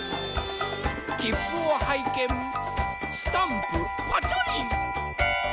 きっぷをはいけんスタンプパチョリン。